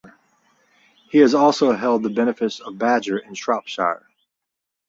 He also held the benefice of Badger in Shropshire.